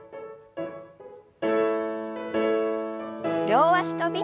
両脚跳び。